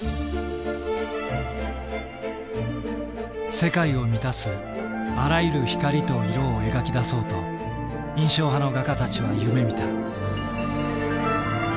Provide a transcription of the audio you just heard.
世界を満たすあらゆる光と色を描き出そうと印象派の画家たちは夢みた。